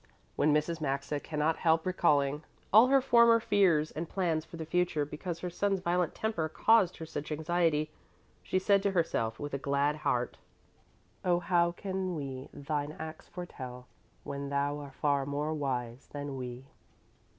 When Mrs. Maxa cannot help recalling all her former fears and plans for the future because her son's violent temper caused her such anxiety, she said to herself with a glad heart: Oh how can we Thine acts foretell, When Thou are far more wise than we?